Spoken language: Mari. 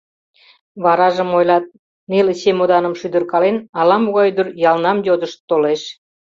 Варажым ойлат: «Неле чемоданым шӱдыркален, ала-могай ӱдыр ялнам йодышт толеш.